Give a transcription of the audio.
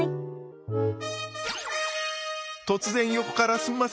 突然横からすんません。